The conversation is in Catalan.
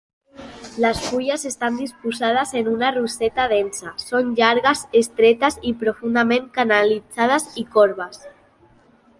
Les fulles estan disposades en una roseta densa, són llargues, estretes, profundament canalitzades i corbes.